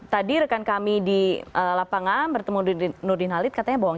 tadi rekan kami di lapangan bertemu nurdin halid katanya bohong